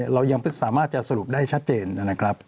เรายังสามารถจะสรุปได้ชัดเจนนะครับ